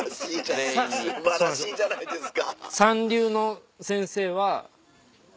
素晴らしいじゃないですか。